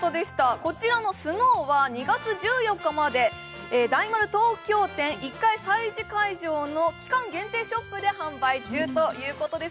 こちらのＳＮＯＷＳは２月１４日まで大丸東京店１階催事会場の期間限定ショップで販売中ということです。